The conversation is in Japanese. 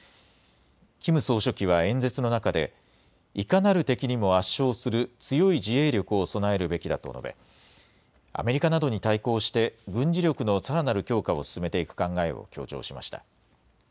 キム総書記は演説の中でいかなる敵にも圧勝する強い自衛力を備えるべきだと述べアメリカなどに対抗して軍事力のさらなる強化を進めていく考えを強調しました。